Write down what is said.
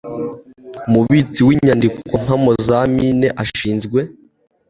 Umubitsi w Inyandikompamo za Mine ashinzwe